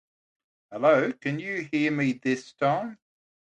A short grasp was expedient!